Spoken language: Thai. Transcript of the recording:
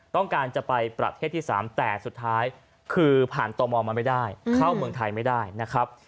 ต้องการจะไปประเทศที่๓แต่สุดท้ายคือผ่านตมมาไม่ได้เข้าเมืองไทยไม่ได้นะครับ